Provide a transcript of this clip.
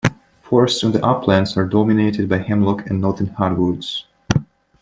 Forests on the uplands are dominated by hemlock and northern hardwoods.